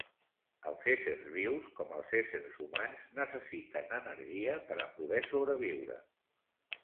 Els éssers vius, com els éssers humans, necessiten energia per a poder sobreviure.